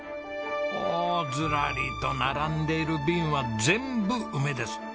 おおずらりと並んでいる瓶は全部梅です！